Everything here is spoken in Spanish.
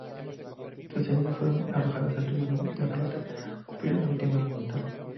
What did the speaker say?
Sus cenizas fueron arrojadas al Río de la Plata, cumpliendo su última voluntad.